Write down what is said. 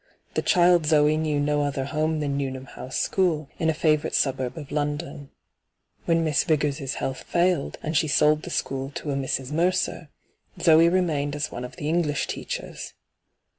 The child Zoe knew no other home than Newnham House School, in a favourite suburb of London. When Miss Vigors* health failed, and she sold the school to a Mrs. Mercer, Zoe remained as one of the English teachers.